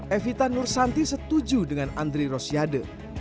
evita nursanti setuju dengan andri rosiade